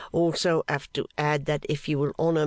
'Also have to add that if you will honour M.